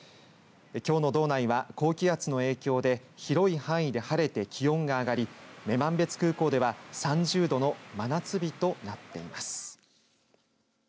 きょうの道内は高気圧の影響で広い範囲で晴れて気温が上がり女満別空港では３０度の真夏日となっています。